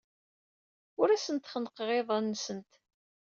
Ur asent-xennqeɣ iḍan-nsent.